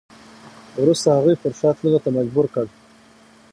وروسته هغوی پر شا تللو ته مجبور کړ.